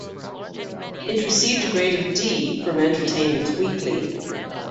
It received a grade of D from "Entertainment Weekly".